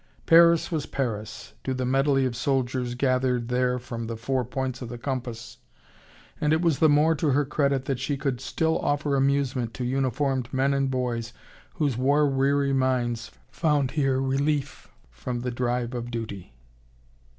Paris was Paris, to the medley of soldiers gathered there from the four points of the compass, and it was the more to her credit that she could still offer amusement to uniformed men and boys whose war weary minds found here relief from the drive of duty.